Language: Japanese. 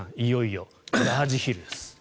いよいよラージヒルです。